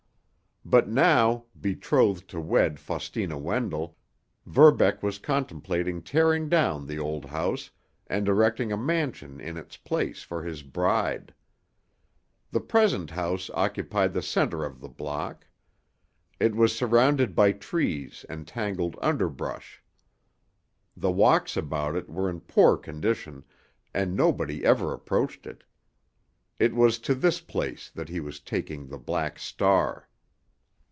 But now, betrothed to wed Faustina Wendell, Verbeck was contemplating tearing down the old house and erecting a mansion in its place for his bride. The present house occupied the center of the block. It was surrounded by trees and tangled underbrush. The walks about it were in poor condition, and nobody ever approached it. It was to this place that he was taking the Black Star.